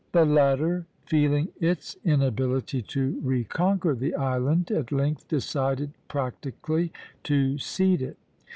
The latter, feeling its inability to reconquer the island, at length decided practically to cede it.